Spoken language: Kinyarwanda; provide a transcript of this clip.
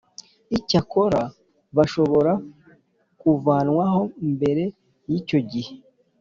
Icyakora bashobora kuvanwaho mbere y icyo gihe